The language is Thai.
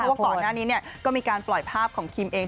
เพราะว่าก่อนหน้านี้เนี่ยก็มีการปล่อยภาพของคิมเอง